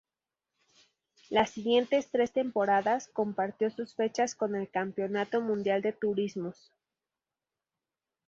Las siguientes tres temporadas, compartió sus fechas con el Campeonato Mundial de Turismos.